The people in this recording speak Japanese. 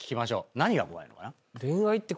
何が怖いのかな？